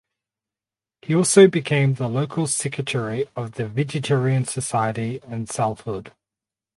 He also became the local secretary of the Vegetarian Society in Salford.